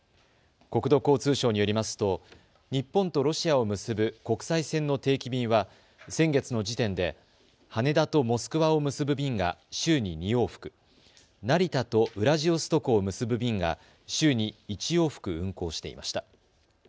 国土交通省によりますと日本とロシアを結ぶ国際線の定期便は先月の時点で羽田とモスクワを結ぶ便が週に２往復、成田とウラジオストクを結ぶ便が週に１往復、運航していました。